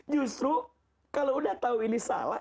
justru kalau udah tahu ini salah